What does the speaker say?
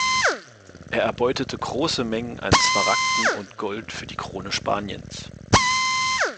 Er erbeutete große Mengen an Smaragden und Gold für die Krone Spaniens.